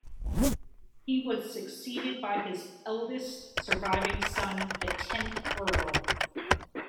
He was succeeded by his eldest surviving son, the tenth Earl.